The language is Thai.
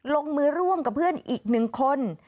ลงมือร่วมกับเพื่อนอีก๑คน